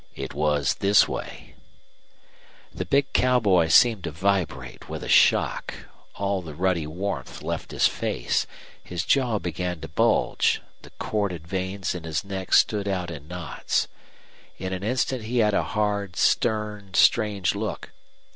"It was this way " The big cowboy seemed to vibrate with a shock. All the ruddy warmth left his face; his jaw began to bulge; the corded veins in his neck stood out in knots. In an instant he had a hard, stern, strange look.